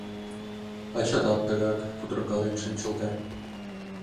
«Ачатат тыгак кутыркален шинчылте.